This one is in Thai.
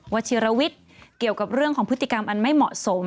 ชิรวิทย์เกี่ยวกับเรื่องของพฤติกรรมอันไม่เหมาะสม